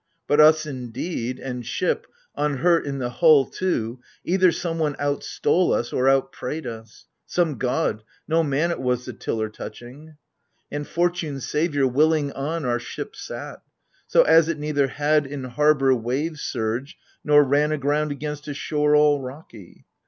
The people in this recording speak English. But us indeed, and ship, unhurt i' the hull too, Either some one out stole us or out prayed us — Some god — no man it was the tiller touching. And Fortune, saviour, willing on our ship sat. So as it neither had in harbour wave surge Nor ran aground against a shore all rocky.